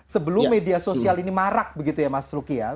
sebelum media sosial ini marak begitu ya mas ruki ya